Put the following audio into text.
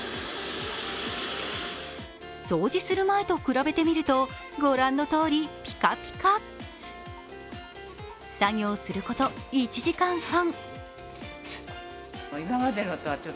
掃除する前と比べてみると御覧のとおりピカピカ。作業すること１時間半。